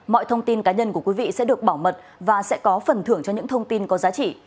mọi thông tin cá nhân của quý vị sẽ được bảo mật và sẽ có phần thưởng cho những thông tin có giá trị